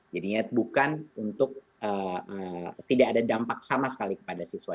jadinya bukan untuk tidak ada dampak sama sekali kepada siswa